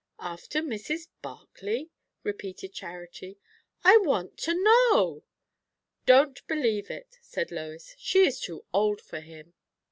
"After Mrs. Barclay?" repeated Charity. "I want to know!" "I don't believe it," said Lois. "She is too old for him."